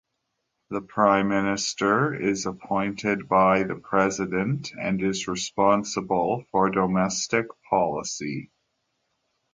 The Prime Minister is appointed by the President and is responsible for domestic policy.